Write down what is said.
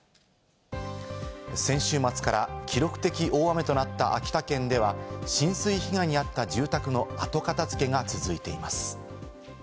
先週末から記録的大雨となった秋田県では浸水被害に遭った住宅の後片付けが続いています。